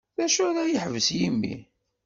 D acu ara ad yeḥbes yimi.